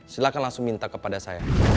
silahkan langsung minta kepada saya